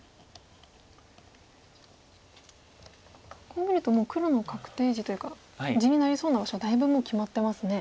こう見るともう黒の確定地というか地になりそうな場所はだいぶもう決まってますね。